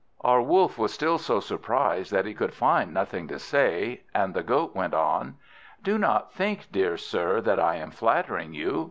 Our Wolf was still so surprised that he could find nothing to say; and the Goat went on "Do not think, dear sir, that I am flattering you.